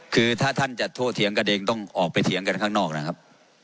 คือถ้าท่านจะโตเถียงกันเองต้องออกไปเถียงกันข้างนอกนะครับ